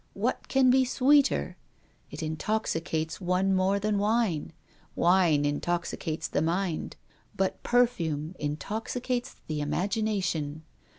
What can be sweeter? It intoxicates one more than wine; wine intoxicates the mind, but perfume intoxicates the imagination.